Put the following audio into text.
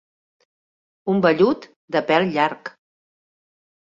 Un vellut de pèl llarg.